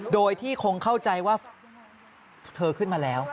โดยที่คงเข้าใจว่าเธอขึ้นมาแล้ว